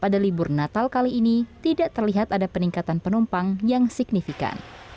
pada libur natal kali ini tidak terlihat ada peningkatan penumpang yang signifikan